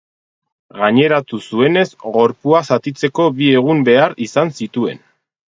Gaineratu zuenez, gorpua zatitzeko bi egun behar izan zituen.